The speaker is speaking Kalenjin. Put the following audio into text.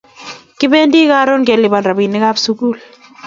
Kibendi karun kelipan rapinik ab sukul